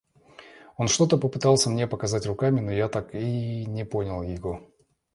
Он что-то пытался мне показать руками, но я так и не понял его.